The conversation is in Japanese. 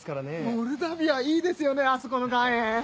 モルダビアいいですよねあそこの岩塩。